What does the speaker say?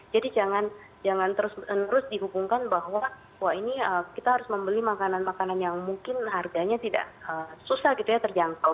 jadi jangan terus dihubungkan bahwa ini kita harus membeli makanan makanan yang mungkin harganya tidak susah gitu ya terjangkau